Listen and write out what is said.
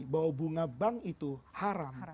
bahwa bunga bank itu haram